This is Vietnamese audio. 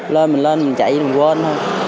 lôi mình lên mình chạy mình quên thôi